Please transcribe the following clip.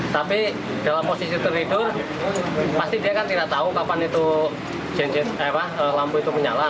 tapi dalam posisi tertidur pasti dia kan tidak tahu kapan itu lampu itu menyala